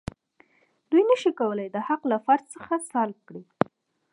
دوی نشي کولای دا حق له فرد څخه سلب کړي.